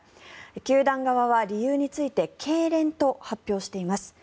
球団側は理由についてけいれんと発表しています。